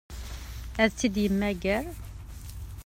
Ad tt-id-yemmager?